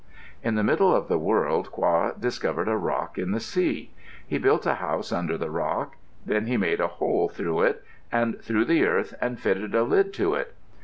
In the middle of the world Qa discovered a rock in the sea. He built a house under the rock. Then he made a hole through it and through the earth and fitted a lid to it.